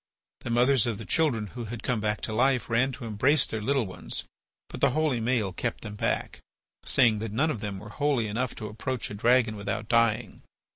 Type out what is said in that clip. The mothers of the children who had come back to life ran to embrace their little ones. But the holy Maël kept them back, saying that none of them were holy enough to approach a dragon without dying.